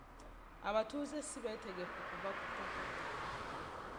Abatuuze si beetegefu kuva ku ttaka.